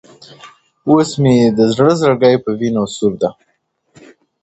اوس مي د زړه زړگى په وينو ســور دى~